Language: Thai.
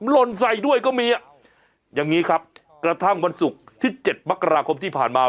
หล่นใส่ด้วยก็มีอ่ะอย่างนี้ครับกระทั่งวันศุกร์ที่๗มกราคมที่ผ่านมา